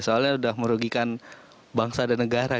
soalnya sudah merugikan bangsa dan negara